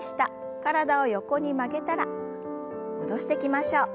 体を横に曲げたら戻してきましょう。